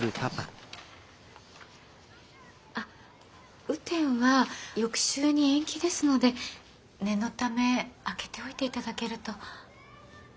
あ雨天は翌週に延期ですので念のため空けておいていただけると。